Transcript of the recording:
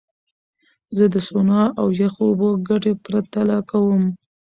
زه د سونا او یخو اوبو ګټې پرتله کوم.